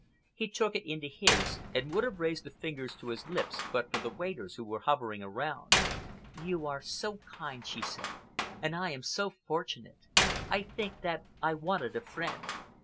He took it into his, and would have raised the fingers to his lips but for the waiters who were hovering around. "You are so kind," she said, "and I am so fortunate. I think that I wanted a friend."